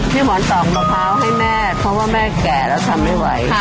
หมอนตอกมะพร้าวให้แม่เพราะว่าแม่แก่แล้วทำไม่ไหว